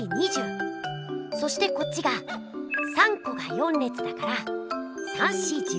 そしてこっちが３こが４れつだから３×４＝１２。